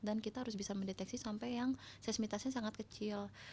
dan kita harus bisa mendeteksi sampai yang seismitasnya sangat kecil